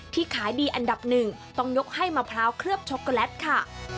ขายดีอันดับหนึ่งต้องยกให้มะพร้าวเคลือบช็อกโกแลตค่ะ